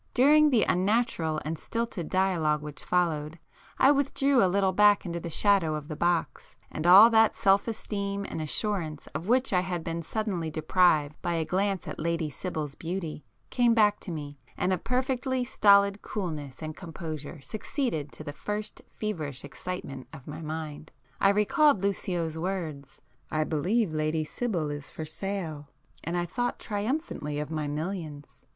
During the unnatural and stilted dialogue which followed, I withdrew a little back into the shadow of the box, and all that self esteem and assurance of which I had been suddenly deprived by a glance at Lady Sibyl's beauty, came back to me, and a perfectly stolid coolness and composure succeeded to the first feverish excitement of my mind. I recalled Lucio's words—"I believe Lady Sibyl is for sale"—and I thought triumphantly of my millions.